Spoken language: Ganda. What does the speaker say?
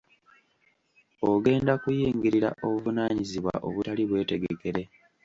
Ogenda kuyingirira obuvunaanyizibwa obutali bwetegekere.